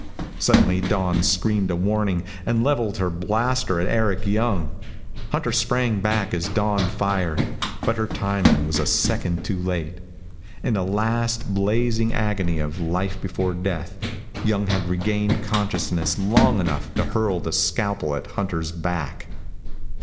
Suddenly Dawn screamed a warning and leveled her blaster at Eric Young. Hunter sprang back as Dawn fired. But her timing was a second too late. In a last, blazing agony of life before death Young had regained consciousness long enough to hurl the scalpel at Hunter's back.